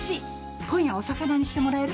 今夜お魚にしてもらえる？